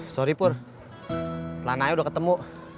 sorry pur lana aja udah ketemu